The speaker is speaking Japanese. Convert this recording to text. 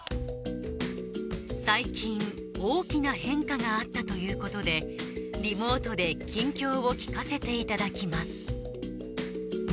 最近大きな変化があったということでリモートで近況を聞かせていただきます